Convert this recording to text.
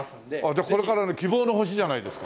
じゃあこれからの希望の星じゃないですか。